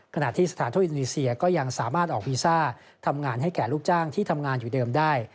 ขณะที่สถานทูตอินโดนีเซียก็ยังสามารถออกวีซ่าทำงานให้แก่ลูกจ้างที่ทำงานอยู่เดิมได้